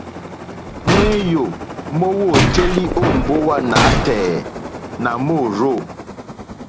Ŋwéyò mówǒtélì ó mbówà nǎtɛ̀ɛ̀ nà môrzô.